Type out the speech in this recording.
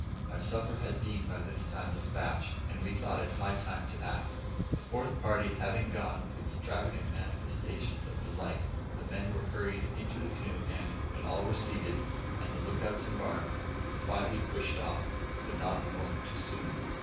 Our supper had been by this time despatched, and we thought it high time to act. The fourth party having gone with extravagant manifestations of delight, the men were hurried into the canoe, and, when all were seated, and the look outs embarked, we quietly pushed off, but not a moment too soon.